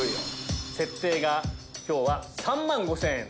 設定が今日は３万５０００円！